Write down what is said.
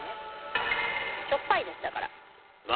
しょっぱいですだから。